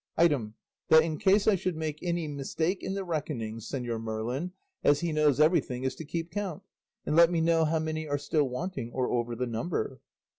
Item, that, in case I should make any mistake in the reckoning, Señor Merlin, as he knows everything, is to keep count, and let me know how many are still wanting or over the number."